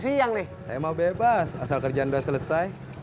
saya emang bebas asal kerjaan udah selesai